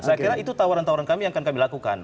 saya kira itu tawaran tawaran kami yang akan kami lakukan